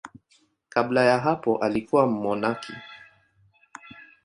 Kabla ya hapo alikuwa mmonaki.